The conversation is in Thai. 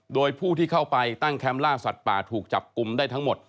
โดยผู้ที่เข้าไปตั้งแคมป์ล่าสัตว์ป่าถูกจับกลุ่มได้ทั้งหมด